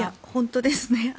本当ですね。